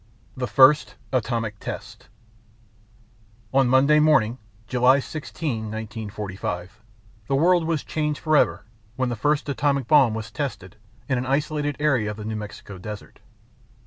THE FIRST ATOMIC TEST On Monday morning July 16, 1945, the world was changed forever when the first atomic bomb was tested in an isolated area of the New Mexico desert.